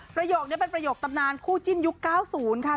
ประโยคนี้เป็นประโยคตำนานคู่จิ้นยุค๙๐ค่ะ